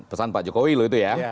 pesan pak jokowi loh itu ya